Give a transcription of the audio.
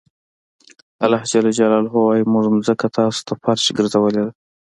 الله ج وایي موږ ځمکه تاسو ته فرش ګرځولې ده.